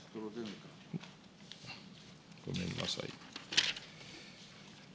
ごめんなさい。